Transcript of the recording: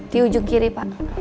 di ujung kiri pak